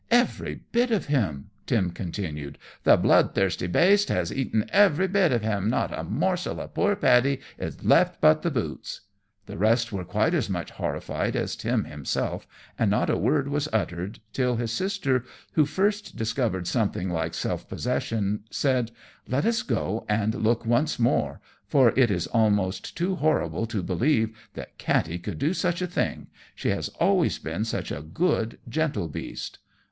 "Every bit of him," Tim continued. "The blood thirsty baste has eaten every bit of him. Not a morsel of poor Paddy is left but the boots." The rest were quite as much horrified as Tim himself, and not a word was uttered till his Sister, who first recovered something like self possession, said, "Let us go and look once more, for it is almost too horrible to believe that Katty could do such a thing; she has always been such a good, gentle beast."